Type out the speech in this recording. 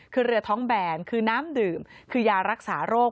คือเรือท้องแบนคือน้ำดื่มคือยารักษาโรค